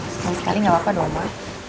sekali sekali gak apa apa dong ma